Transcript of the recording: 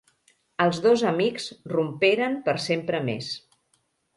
Els dos amics romperen per sempre més.